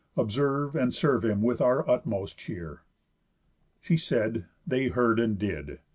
Observe and serve him with our utmost cheer." She said, they heard and did.